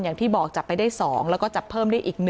อย่างที่บอกจับไปได้๒แล้วก็จับเพิ่มได้อีก๑